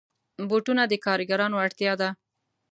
بوټونه د کارګرانو اړتیا ده.